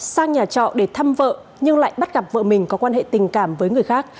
sang nhà trọ để thăm vợ nhưng lại bắt gặp vợ mình có quan hệ tình cảm với người khác